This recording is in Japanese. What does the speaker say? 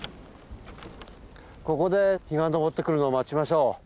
ここで日が昇ってくるのを待ちましょう。